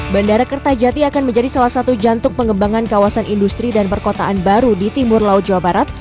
bandara kertajati akan menjadi salah satu jantung pengembangan kawasan industri dan perkotaan baru di timur laut jawa barat